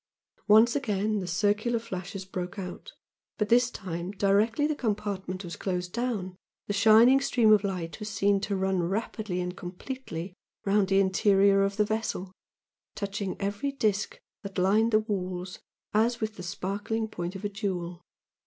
Once again the circular flashes broke out, but this time directly the compartment was closed down, the shining stream of light was seen to run rapidly and completely round the interior of the vessel, touching every disc that lined the walls as with the sparkling point of a jewel.